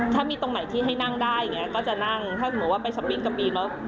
ถ้ามีตรงไหนที่ให้นั่งได้อย่างนี้ก็จะนั่งถ้าสมมุติว่าไปช้อปปี้กับปีนเนอะ